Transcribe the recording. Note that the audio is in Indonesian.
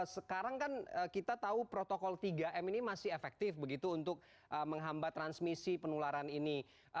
sekarang kan kita tahu protokol tiga m ini masih efektif begitu untuk menghambat transmisi penularan ini